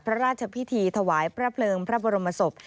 พระราชพิธีถวายพระเพลิงพระบรมศพ